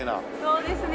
そうですね。